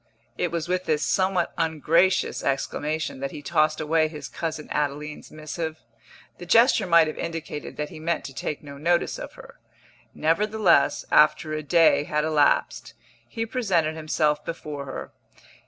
It was with this somewhat ungracious exclamation that he tossed away his cousin Adeline's missive. The gesture might have indicated that he meant to take no notice of her; nevertheless, after a day had elapsed, he presented himself before her.